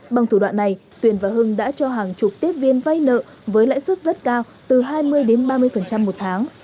bằng thủ đoạn này tuyền và hưng đã cho hàng chục tiếp viên vay nợ với lãi suất rất cao từ hai mươi đến ba mươi một tháng